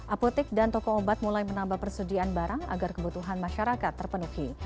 apotek dan toko obat mulai menambah persediaan barang agar kebutuhan masyarakat terpenuhi